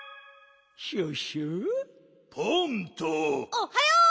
おっはよう！